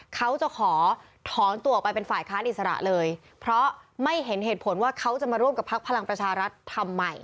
เขาจะขอถอนตัวออกไปเป็นฝ่ายค้านอิสระเลยเพราะไม่เห็นเหตุผลว่าเขาจะมาร่วมกับพักพลังประชารัฐทำไม